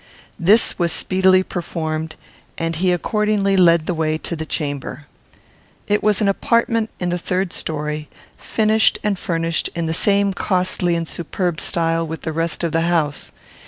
This was speedily performed, and he accordingly led the way to the chamber. It was an apartment in the third story, finished and furnished in the same costly and superb style with the rest of the house.